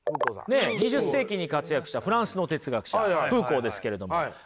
２０世紀に活躍したフランスの哲学者フーコーですけれども。